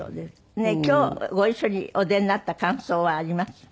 今日ご一緒にお出になった感想はあります？